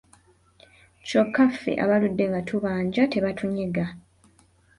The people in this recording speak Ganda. Kyokka ffe abaludde nga tubanja tebatunyega.